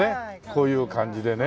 こういう感じでね。